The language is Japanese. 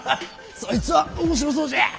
そいつは面白そうじゃ。